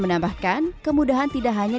menambahkan kemudahan tidak hanya